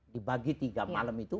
dibagi tiga malam itu